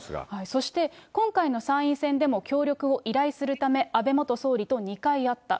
そして、今回の参院選でも協力を依頼するため、安倍元総理と２回会った。